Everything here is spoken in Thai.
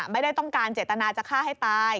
ไม่ได้ต้องการเจตนาจะฆ่าให้ตาย